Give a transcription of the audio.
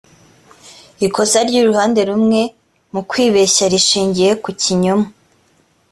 ikosa ry’uruhande rumwe mu kwibeshya rishingiye ku kinyoma